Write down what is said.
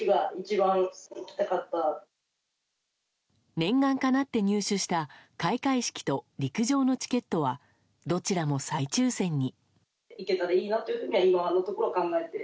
念願かなって入手した開会式と陸上のチケットはどちらも再抽選に。